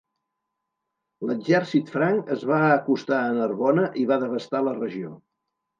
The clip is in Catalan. L'exèrcit franc es va acostar a Narbona i va devastar la regió.